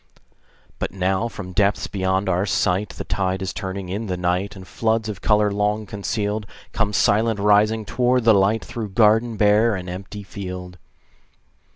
But now from depths beyond our sight, The tide is turning in the night, And floods of color long concealed Come silent rising toward the light, Through garden bare and empty field.